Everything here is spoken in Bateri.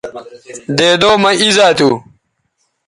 دیدو مہ اِیزا تھو